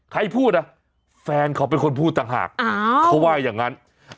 ใครพูดแฟนเขาเป็นคนพูดต่างหากเขาว่าอย่างนั้น